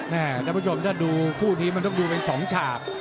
ท่านผู้ชมถ้าดูคู่นี้มันต้องดูเป็น๒ฉาก